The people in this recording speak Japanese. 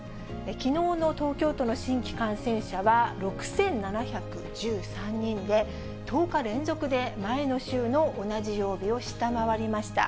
きのうの東京都の新規感染者は、６７１３人で、１０日連続で前の週の同じ曜日を下回りました。